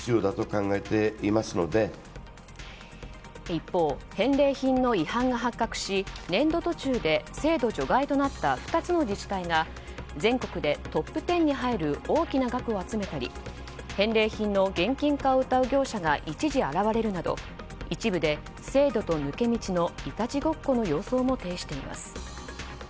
一方、返礼品の違反が発覚し年度途中で制度除外となった２つの自治体が全国でトップ１０に入る大きな額を集めたり返礼品の現金化をうたう業者が一時、現れるなど一部で、制度と抜け道のいたちごっこの様相も呈しています。